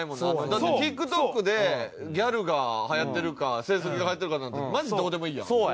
だってＴｉｋＴｏｋでギャルがはやってるか清楚系がはやってるかなんてマジどうでもいいやん。